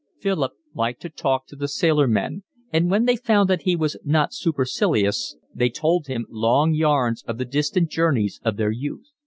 Philip liked to talk to the sailor men, and when they found that he was not supercilious they told him long yarns of the distant journeys of their youth.